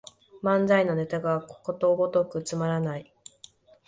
漫才のネタがことごとくつまらない